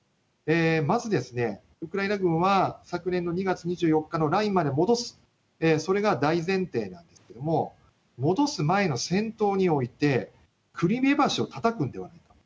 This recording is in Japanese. まずウクライナ軍は、昨年の２月２４日のラインまで戻す、それが大前提なんですけれども、戻す前の戦闘において、クリミア橋をたたくのではないか。